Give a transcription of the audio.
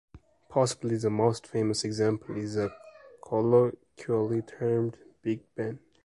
Possibly the most famous example is the colloquially termed Big Ben.